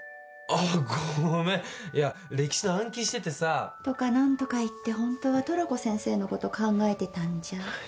あっごめんいや歴史の暗記しててさ。とか何とか言って本当はトラコ先生のこと考えてたんじゃ。